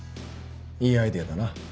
いいアイデアだな。